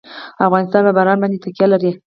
افغانستان په باران باندې تکیه لري.